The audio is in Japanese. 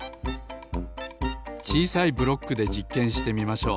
ちいさいブロックでじっけんしてみましょう。